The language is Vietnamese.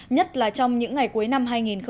nhất là trong những ngày cuối năm hai nghìn một mươi sáu